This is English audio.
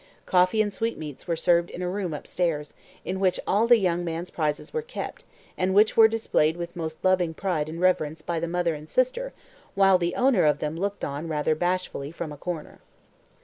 Coffee and sweetmeats were served in a room upstairs, in which all the young man's prizes were kept, and which were displayed with most loving pride and reverence by the mother and sister, while the owner of them looked on rather bashfully from a corner.